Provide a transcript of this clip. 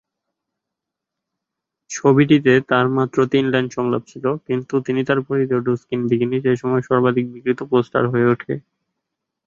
ছবিটিতে তার মাত্র তিন লাইন সংলাপ ছিল, কিন্তু তিনি তার পরিধেয় ডো-স্কিন বিকিনি সে সময়ে সর্বাধিক বিক্রিত পোস্টার হয়ে ওঠে।